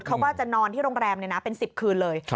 เขาก็จะนอนที่โรงแรมเป็น๑๐คืนเลย